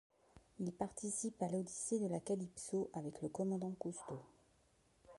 Il participe à l'odyssée de la Calypso avec le commandant Cousteau.